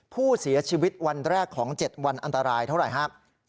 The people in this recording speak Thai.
ผู้เสียชีวิตวันแรกของ๗วันอันตรายเท่าไหร่ครับ